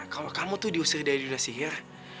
kalau kamu tuh diusir dari dinas sihir